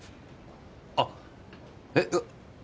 あっえっ